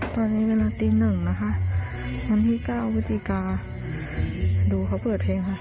ตอนนี้กำลังตี๑นะคะวันที่๙วิธีการดูเขาเปิดเพลงค่ะ